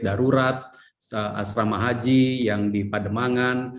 darurat asrama haji yang dipademangan